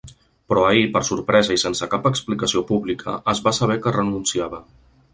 Però ahir, per sorpresa i sense cap explicació pública, es va saber que renunciava.